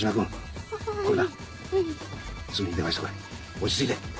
落ち着いて！